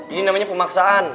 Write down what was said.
ini namanya pemaksaan